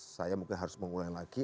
saya mungkin harus mengulangi lagi